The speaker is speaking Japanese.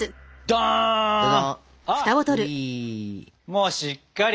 もうしっかり。